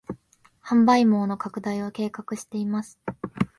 販売網の拡大を計画しています